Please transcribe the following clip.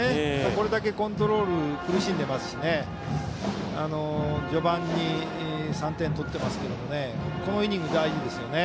これだけコントロール苦しんでいますし序盤に３点取ってますけどこのイニング、大事ですよね。